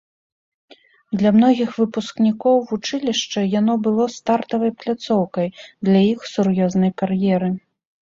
Для многіх выпускнікоў вучылішча яно было стартавай пляцоўкай для іх сур'ёзнай кар'еры.